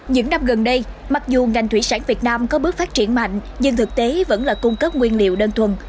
những năm gần đây mặc dù ngành thủy sản việt nam có bước phát triển mạnh nhưng thực tế vẫn là cung cấp nguyên liệu đơn thuần